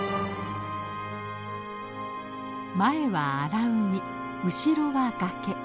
前は荒海後ろは崖。